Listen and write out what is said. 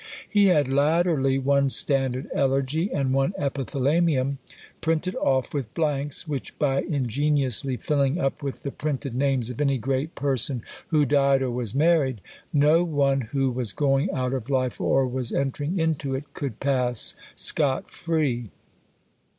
He had latterly one standard Elegy, and one Epithalamium, printed off with blanks, which by ingeniously filling up with the printed names of any great person who died or was married; no one who was going out of life, or was entering into it, could pass scot free.